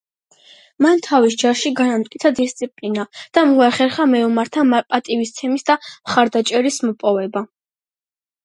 მან თავის ჯარში განამტკიცა დისციპლინა და მოახერხა მეომართა პატივისცემის და მხარდაჭერის მოპოვება.